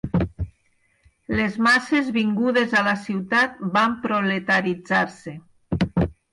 Les masses vingudes a la ciutat van proletaritzar-se.